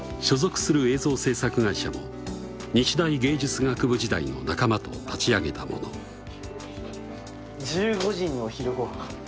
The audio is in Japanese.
所属する映像制作会社も日大芸術学部時代の仲間と立ち上げたもの１５時にお昼ごはん？